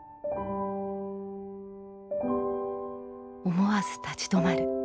「思わず立ち止まる。